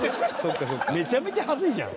めちゃめちゃ恥ずいじゃん。